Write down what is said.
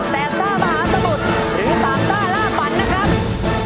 แบบซ่ามหาสมุทรหรือสามซ่าล่าฝันนะครับ